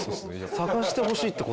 探してほしいって事？